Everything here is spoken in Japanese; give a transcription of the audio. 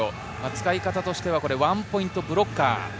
使い方としてはワンポイントブロッカー。